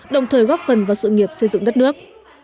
đồng thời góp phần vào sự nghiệp xây dựng đất nước